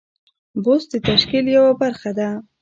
بست د تشکیل یوه برخه ده.